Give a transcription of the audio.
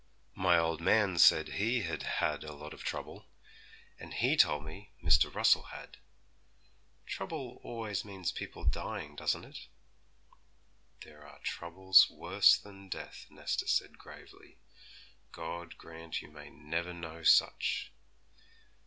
'My old man said he had had a lot of trouble, and he told me Mr. Russell had. Trouble always means people dying, doesn't it?' 'There are troubles worse than death,' Nesta said gravely; 'God grant you may never know such!'